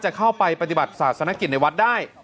จะเข้าไปปฏิบัติศาสนกิจในวัดได้